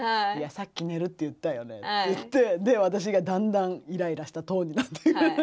「いやさっき寝るって言ったよね」って言って私がだんだんイライラしたトーンになっていく。